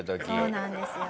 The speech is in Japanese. そうなんですよね。